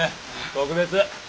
特別。